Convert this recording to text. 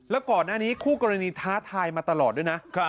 แล้วก่อนหน้านี้คู่กรณีท้าทายมาตลอดด้วยนะ